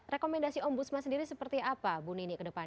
rekomendasi om bujum sendiri seperti apa